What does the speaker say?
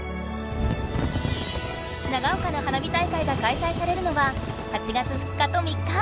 長岡の花火大会がかいさいされるのは８月２日と３日。